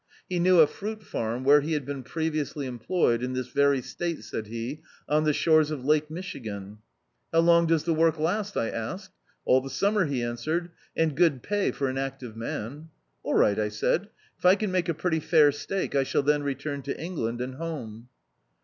He knew a fruit farm, where he had been previously employed, "in this very State," said he, "on the shores of Lake Michigan." "How long does the work last?" I asked. "All the summer," he an swered, "and good pay for an active man." "All right," I said, "if I can make a pretty fair stake, I shall then return to England and home."